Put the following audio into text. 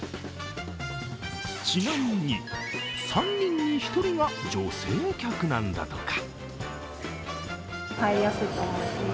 ちなみに、３人に１人が女性客なんだとか。